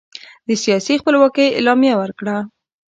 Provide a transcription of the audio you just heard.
د سیاسي خپلواکۍ اعلامیه ورکړه.